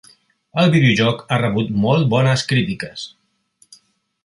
El videojoc ha rebut molt bones crítiques.